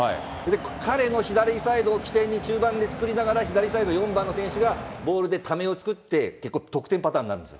彼の左サイドを起点に中盤で作りながら左サイド、４番の選手がボールでためを作って、結構、得点パターンなんです。